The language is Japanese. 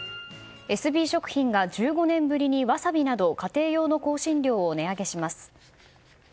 エスビー食品が１５年ぶりにワサビなど家庭用の香辛料を値上げします。